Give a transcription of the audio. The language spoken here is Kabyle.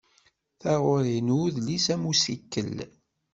Taɣuri n udlis am ussikel.